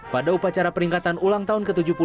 pada upacara peringkatan ulang tahun ke tujuh puluh